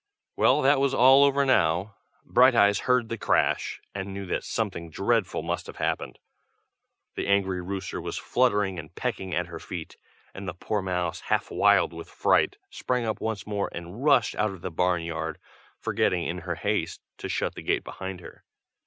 Well, that was all over now. Brighteyes heard the crash, and knew that something dreadful must have happened. The angry rooster was fluttering and pecking at her feet, and the poor mouse, half wild with fright, sprang up once more and rushed out of the barn yard, forgetting in her haste to shut the gate behind her.